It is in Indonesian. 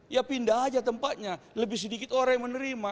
ya pindah aja tempatnya lebih sedikit orang yang menerima